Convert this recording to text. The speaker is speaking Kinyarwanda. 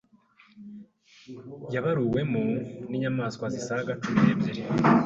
yabaruwemo inyamaswa zisaga cumi nebyiri